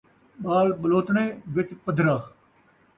ٻال ٻلوتݨے وچ پدھرا